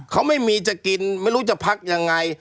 เขาไม่มีจะกินไม่รู้จะพักยังไง